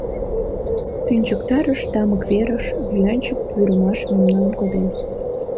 Тӱнчыктарыш тамык верыш Вуянче пӱрымаш мемнам конден.